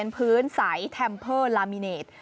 พื้นใสแทมเพอร์ลามิเนต